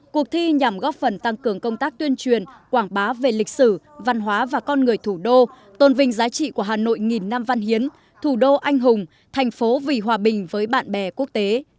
cuộc thi nhằm góp phần tăng cường công tác tuyên truyền quảng bá về lịch sử văn hóa và con người thủ đô tôn vinh giá trị của hà nội nghìn năm văn hiến thủ đô anh hùng thành phố vì hòa bình với bạn bè quốc tế